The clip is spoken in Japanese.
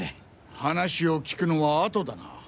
話を聞くのは後だな。